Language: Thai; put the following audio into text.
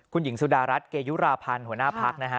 คุณหญิงสุดารัฐเกยุราพันธ์หัวหน้าพักนะฮะ